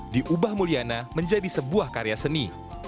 diubah mulyana menjadi sebuah karya seni